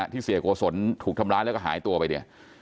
ที่เสียโกศลถูกทำร้ายแล้วก็หายตัวไปเนี่ย